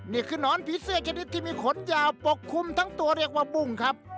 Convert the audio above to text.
นี่คือนอนผีเสื้อชนิดที่มีขนยาวปกคลุมทั้งตัวเรียกว่าบุ้งครับ